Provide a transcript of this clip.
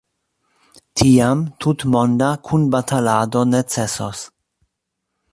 Tiam tutmonda kunbatalado necesos.